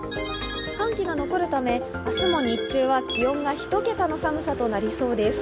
寒気が残るため、明日も日中は気温が１桁の寒さとなりそうです。